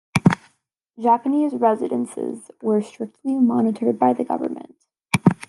Japanese residences were strictly monitored by the Government.